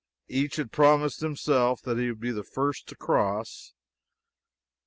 Each had promised himself that he would be the first to cross.